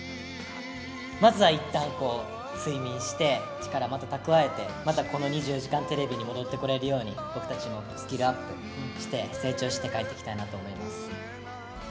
まずはいったん睡眠して、力また蓄えて、またこの２４時間テレビに戻ってこれるように、僕たちもスキルアップして成長して、帰ってきたいなと思います。